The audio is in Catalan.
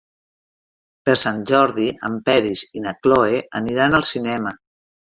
Per Sant Jordi en Peris i na Cloè aniran al cinema.